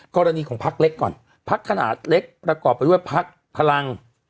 กรณีของพักเล็กก่อนพักขนาดเล็กประกอบไปด้วยพักพลัง